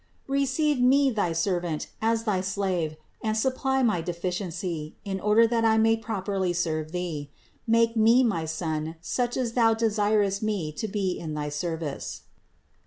Receive me thy servant as thy slave and supply my deficiency, in order that I may properly serve Thee. Make me, my Son, such as Thou desirest me to be in thy service."